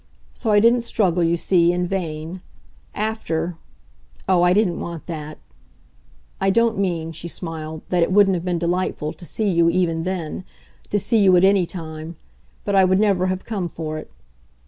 So I didn't struggle, you see, in vain. AFTER oh, I didn't want that! I don't mean," she smiled, "that it wouldn't have been delightful to see you even then to see you at any time; but I would never have come for it.